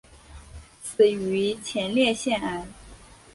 死于前列腺癌。